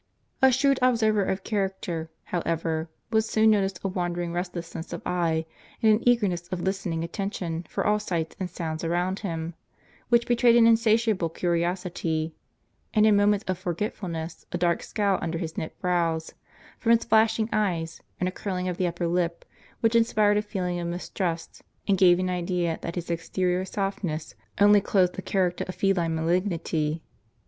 A shrewd observer of char acter, however, would soon notice a wandering restlessness of eye, and an eagerness of listening attention for all sights and sounds around him, which betrayed an insatiable curiosity; and in moments of forge tfulness, a dark scowl under his knit brows, from his flashing eyes, and a curling of the upper lip, which inspired a feeling of mistrust, and gave an idea that his exterior softness only clothed a character of feline malignity.